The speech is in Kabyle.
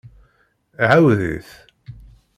Ɛawed-it.